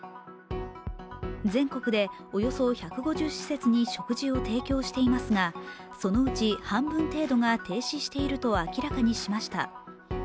全国でおよそ１５０施設に食事を提供していますがそのうち半分程度が停止していると明らかにしました。